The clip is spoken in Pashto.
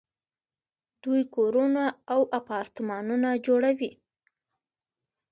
دوی کورونه او اپارتمانونه جوړوي.